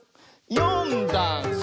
「よんだんす」